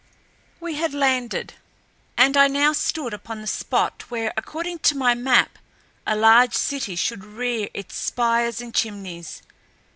We had landed, and I now stood upon the spot where, according to my map, a large city should rear its spires and chimneys.